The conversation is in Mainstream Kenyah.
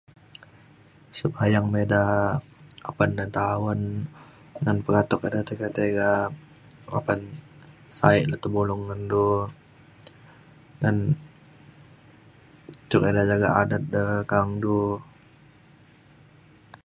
sebayang me ida apan ida nta awen ngan pekatuk ida tekak tiga apan sa’e le tebulong ngan du ngan cuk ida jagak adet de ka’ang du